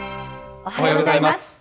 おはようございます。